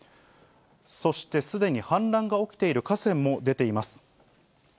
そしてすでに氾濫が起きている河川も出ています。